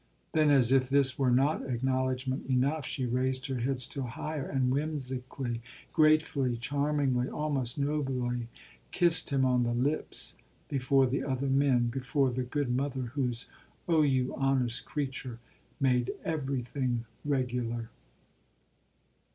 Then as if this were not acknowledgment enough she raised her head still higher and, whimsically, gratefully, charmingly, almost nobly, kissed him on the lips before the other men, before the good mother whose "Oh you honest creature!" made everything regular.